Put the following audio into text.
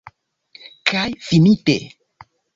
Kaj finite.